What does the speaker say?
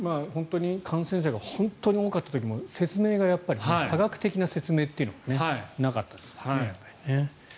感染者が本当に多かった時も説明がやっぱり科学的な説明というのがなかったですよね。